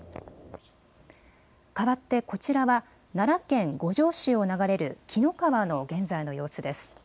かわってこちらは奈良県五條市を流れる紀の川の現在の様子です。